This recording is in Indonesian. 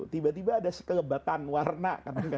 tiba tiba ada sekelebatan warna